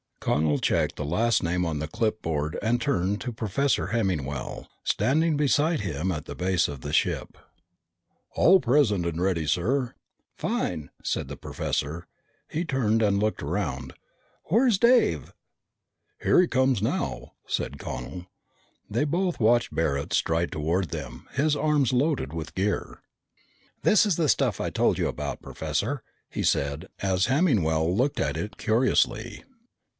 Connel checked the last name on the clipboard and turned to Professor Hemmingwell standing beside him at the base of the ship. "All present and ready, sir." "Fine!" said the professor. He turned and looked around. "Where is Dave?" "Here he comes now," said Connel. They both watched Barret stride toward them, his arms loaded with gear. "This is the stuff I told you about, Professor," he said as Hemmingwell looked at it curiously.